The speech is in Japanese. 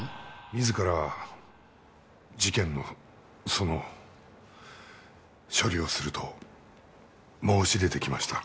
自ら事件のその処理をすると申し出てきました。